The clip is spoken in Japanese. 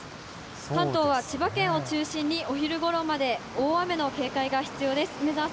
関東は千葉県を中心にお昼ごろまで大雨の警戒が必要です。